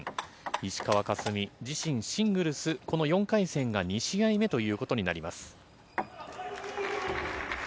石川佳純、自身シングルス、この４回戦が２試合目ということになります。